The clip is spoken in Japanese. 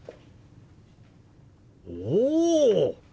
おお！